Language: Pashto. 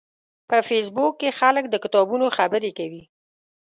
په فېسبوک کې خلک د کتابونو خبرې کوي